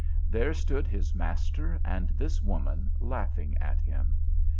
There stood his master and this woman, laughing at him!